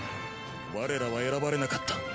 我らは選ばれなかった。